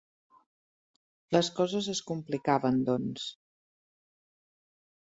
Les coses es complicaven doncs.